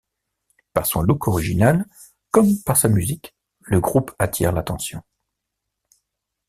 Par son look original comme par sa musique, le groupe attire l'attention.